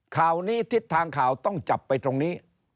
ข่าวนี้ทิศทางข่าวต้องจับไปตรงนี้